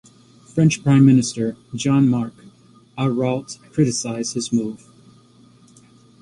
French prime minister Jean-Marc Ayrault criticised his move.